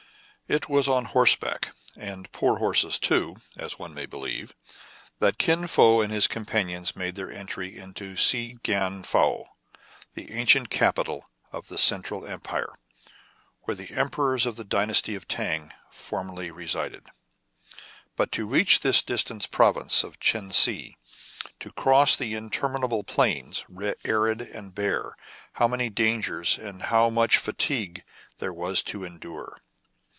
It was on horseback — and poor horses too, as one may believe — that Kin Fo and his companions made their entry into Si Gnan Fou, the ancient capital of the Central Empire, where the emper ors of the dynasty of Tang formerly resided. But to reach this distant province of Chen Si., to cross the interminable plains, arid and bare, how many dangers and how much fatigue there was to endure!